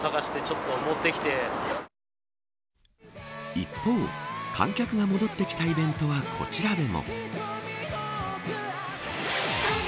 一方、観客が戻ってきたイベントはこちらでも。